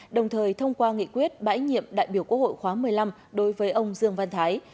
đồng thời thông qua nghị quyết bãi nhiệm đại biểu quốc hội khóa một mươi năm đối với ông dương văn thái